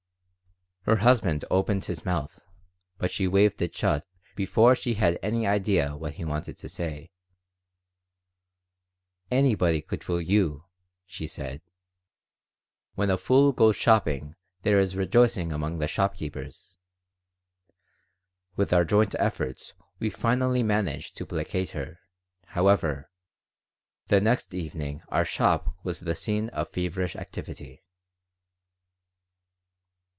Her husband opened his mouth, but she waved it shut before she had any idea what he wanted to say "Anybody could fool you," she said. "'When a fool goes shopping there is rejoicing among the shopkeepers.'" With our joint efforts we finally managed to placate her, however, and the next evening our shop was the scene of feverish activity.